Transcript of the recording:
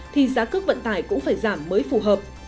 thì giá cước vận tải cũng phải giảm mới phù hợp